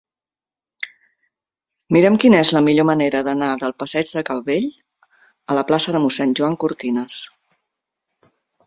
Mira'm quina és la millor manera d'anar del passeig de Calvell a la plaça de Mossèn Joan Cortinas.